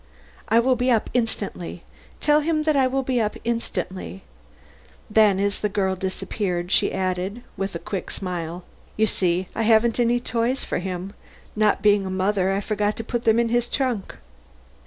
"I will be up instantly. Tell him that I will be up instantly." Then as the girl disappeared, she added, with a quick smile: "You see I haven't any toys for him. Not being a mother I forgot to put them in his trunk."